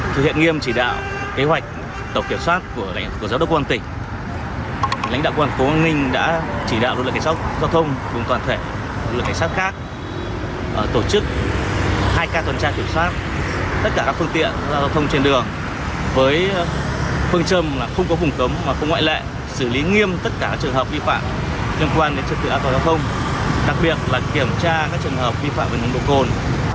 tăng cường xử lý nghiêm tất cả các trường hợp vi phạm trật tự an toàn giao thông đặc biệt là kiểm tra các trường hợp vi phạm nồng độ cồn